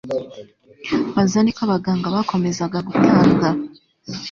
baza ni ko abaganga bakomezaga gutanga